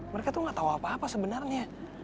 mereka tuh gak tahu apa apa sebenarnya